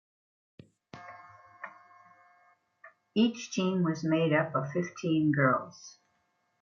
Each team was made up of fifteen girls.